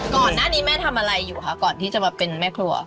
ก่อนหน้านี้แม่ทำอะไรอยู่คะก่อนที่จะมาเป็นแม่ครัว